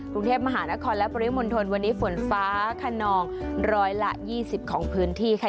กรุงเทพมหานครและปริมณฑลวันนี้ฝนฟ้าขนองร้อยละ๒๐ของพื้นที่ค่ะ